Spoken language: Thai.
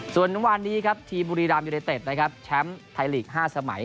ส่วนวันนี้ทีมบุรีรามยุโดยเต็ดแชมป์ไทยหลีก๕สมัย